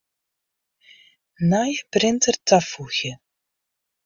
Nije printer tafoegje.